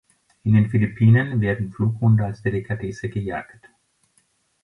In den Philippinen werden Flughunde als Delikatesse gejagt.